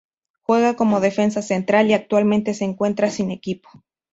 Juega como defensa central y actualmente se encuentra sin equipo.